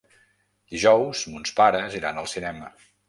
Dijous mons pares iran al cinema.